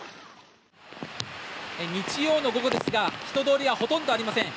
日曜の午後ですが人通りはほとんどありません。